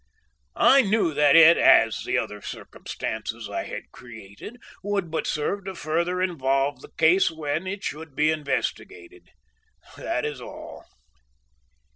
I knew that it, as the other circumstances I had created, would but serve to further involve the case when it should be investigated. That is all.